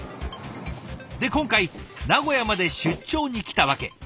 で今回名古屋まで出張に来た訳。